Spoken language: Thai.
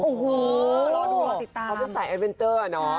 โอ้โหรอดูรอติดตามเขาจะใส่แอดเวนเจอร์เนาะ